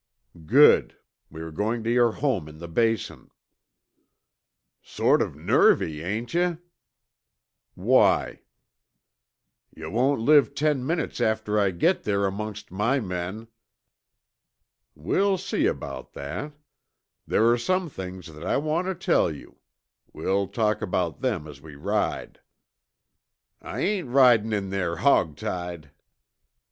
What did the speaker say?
"Good. We are going to your home in the Basin." "Sort of nervy, ain't yuh?" "Why?" "Yuh won't live ten minutes after I git there amongst my men." "We'll see about that. There are some things that I want to tell you. We'll talk about them as we ride." "I ain't ridin' in there hog tied."